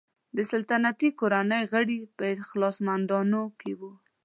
د سلطنتي کورنۍ غړي په اخلاصمندانو کې وو.